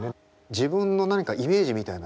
自分の何かイメージみたいなの